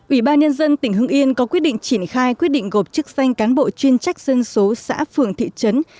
ủy ban nhân dân tỉnh hưng yên có quyết định triển khai quyết định gộp chức danh cán bộ chuyên trách dân số xã phường thị trấn